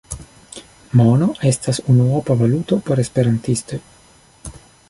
Mono estas unuopa valuto por esperantistoj.